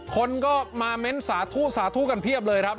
คนก็มาเม้นสาธุสาธุกันเพียบเลยครับ